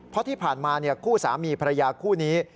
เพราะที่ผ่านมาคู่สามีภรรยาคู่นี้